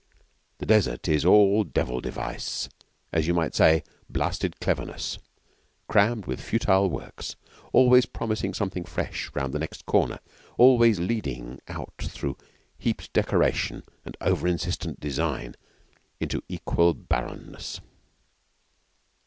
The Desert is all devil device as you might say 'blasted cleverness' crammed with futile works, always promising something fresh round the next corner, always leading out through heaped decoration and over insistent design into equal barrenness.